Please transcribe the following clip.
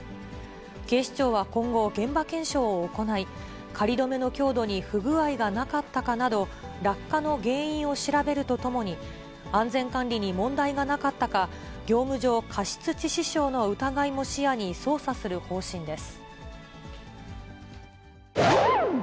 警視庁は今後、現場検証を行い、仮止めの強度に不具合がなかったかなど、落下の原因を調べるとともに、安全管理に問題がなかったか、業務上過失致死傷の疑いも視野に捜査する方針です。